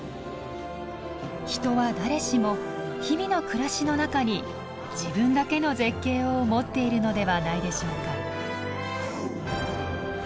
人は誰しも日々の暮らしの中に自分だけの絶景を持っているのではないでしょうか。